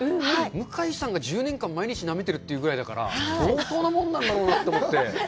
向井さんが１０年間、毎日なめてるってぐらいだから、相当なもんなんだろうなと思って。